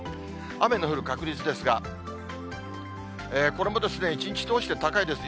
雨の降る確率ですが、これも１日通して高いです。